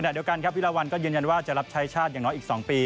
เดียวกันครับวิราวัลก็ยืนยันว่าจะรับใช้ชาติอย่างน้อยอีก๒ปี